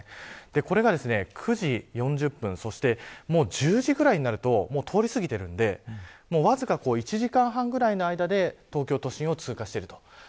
これが９時４０分そして１０時くらいになると通り過ぎているのでわずか１時間半ぐらいの間で東京都心を通過しています。